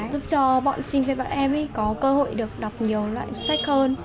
giúp cho bọn sinh viên bọn em có cơ hội được đọc nhiều loại sách hơn